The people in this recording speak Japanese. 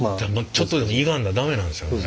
ちょっとでもいがんだら駄目なんですよね。